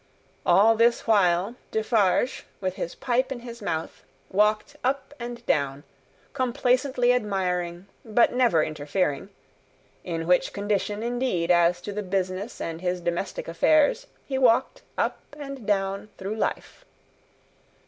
All this while, Defarge, with his pipe in his mouth, walked up and down, complacently admiring, but never interfering; in which condition, indeed, as to the business and his domestic affairs, he walked up and down through life.